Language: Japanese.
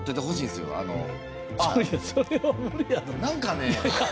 何かね